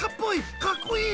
かっこいい！